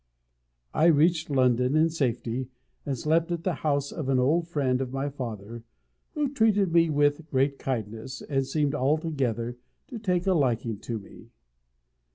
I reached London in safety, and slept at the house of an old friend of my father, who treated me with great kindness, and seemed altogether to take a liking to me.